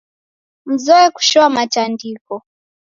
Mzoe kushoamatandiko.